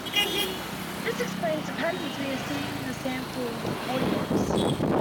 This explains the patterns we are seeing in the sample audience.